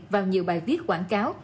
vào nhiều bài viết quảng cáo